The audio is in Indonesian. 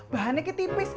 bahannya itu tipis